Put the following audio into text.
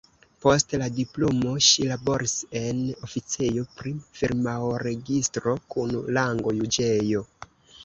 Post la diplomo ŝi laboris en oficejo pri firmaoregistro kun rango juĝejo.